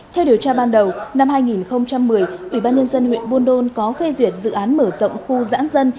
theo điều tra ban đầu năm hai nghìn một mươi ủy ban nhân dân huyện buôn đôn có phê duyệt dự án mở rộng khu giãn dân